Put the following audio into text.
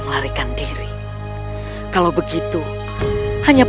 menyerahkan pertarungan destruksi kiyat santangathan